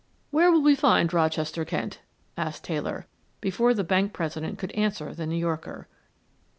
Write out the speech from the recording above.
"Where will we find Rochester, Kent?" asked Taylor, before the bank president could answer the New Yorker.